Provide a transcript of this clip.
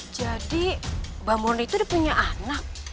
jadi mbak murti tuh udah punya anak